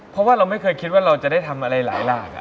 เพราะว่าเราไม่เคยคิดว่าเราจะได้ทำอะไรหลายอย่าง